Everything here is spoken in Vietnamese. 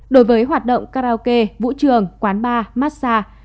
đối với hoạt động karaoke vũ trường quán bar massage